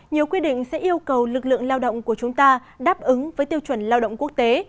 nhiều quy định sẽ yêu cầu lực lượng lao động của chúng ta đáp ứng với tiêu chuẩn lao động quốc tế